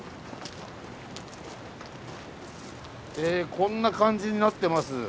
えこんな感じになってます。